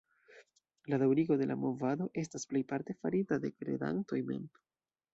La daŭrigo de la movado estas plejparte farita de kredantoj mem.